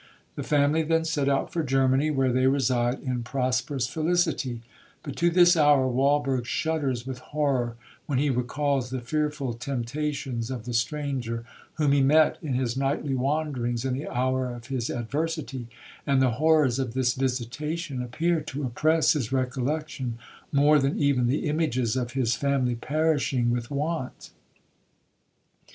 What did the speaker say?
The family then set out for Germany, where they reside in prosperous felicity;—but to this hour Walberg shudders with horror when he recals the fearful temptations of the stranger, whom he met in his nightly wanderings in the hour of his adversity, and the horrors of this visitation appear to oppress his recollection more than even the images of his family perishing with want.